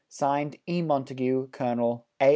(Signed) E. Montagu, Colonel. A.